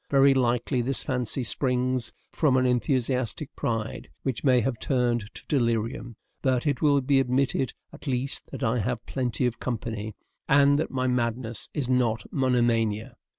Very likely this fancy springs from an enthusiastic pride which may have turned to delirium; but it will be admitted at least that I have plenty of company, and that my madness is not monomania.